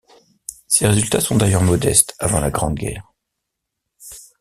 Ses résultats sont d'ailleurs modestes avant la Grande Guerre.